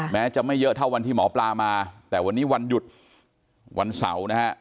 แม้จะไม่เยอะเท่าวันที่หมอปลามาแต่วันนี้วันหยุดวันเสาร์นะฮะ